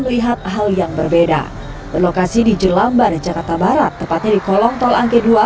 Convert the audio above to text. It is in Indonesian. melihat hal yang berbeda berlokasi di jelambar jakarta barat tepatnya di kolong tol angke dua